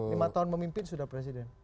lima tahun memimpin sudah presiden